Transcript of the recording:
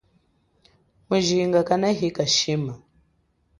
Mujinga kanahika shima.